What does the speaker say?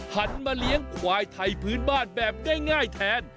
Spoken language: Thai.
หันมาเลี้ยงควายไทยพื้นบ้านแบบง่ายแทน